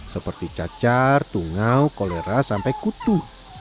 seperti cacar tungau kolera sampai kutu